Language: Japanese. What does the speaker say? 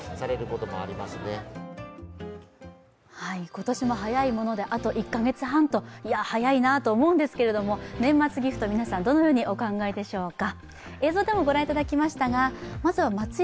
今年も早いものであと１か月半といや早いなと思うんですけども、年末ギフト、皆さんどのようにお考えでしょうか。